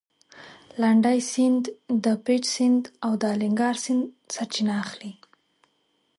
لنډی سیند د پېج سیند او د الینګار سیند سرچینه اخلي.